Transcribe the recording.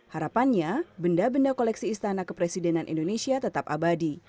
harapannya benda benda koleksi istana kepresidenan indonesia tetap abadi